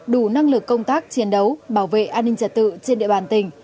đủ năng lực công tác chiến đấu bảo vệ an ninh trật tự trên địa bàn tỉnh